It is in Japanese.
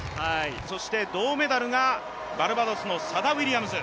そして銅メダルがバルバドスのサダ・ウィリアムズ。